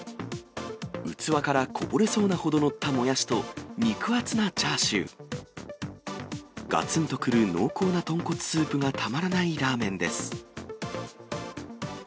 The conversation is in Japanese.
器からこぼれそうなほど載ったもやしと肉厚なチャーシュー、がつんとくる濃厚な豚骨スープがたまらないラーメンです。